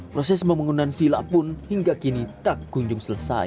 proses pembangunan villa pun hingga kini tak kunjung selesai